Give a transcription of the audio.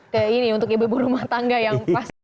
ke ini untuk ibu ibu rumah tangga yang